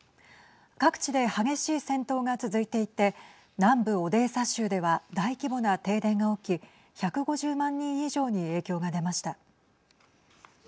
各地で激しい戦闘が続いていて南部オデーサ州では大規模な停電が起き１５０万人以上に影響が出ました。